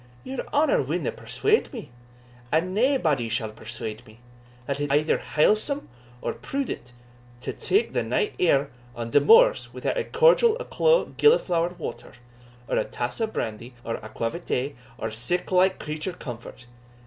"Your honour winna persuade me, and naebody shall persuade me, that it's either halesome or prudent to tak the night air on thae moors without a cordial o' clow gilliflower water, or a tass of brandy or aquavitae, or sic like creature comfort.